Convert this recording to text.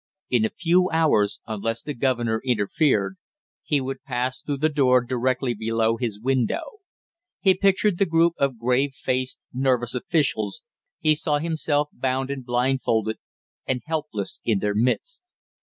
In a few hours, unless the governor interfered, he would pass through the door directly below his window. He pictured the group of grave faced nervous officials, he saw himself bound and blindfolded and helpless in their midst.